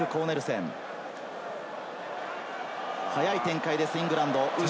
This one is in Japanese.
早い展開です、イングランド。